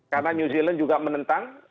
karena new zealand juga menentang